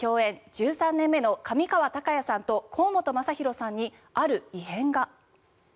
１３年目の上川隆也さんと甲本雅裕さんにある異変が。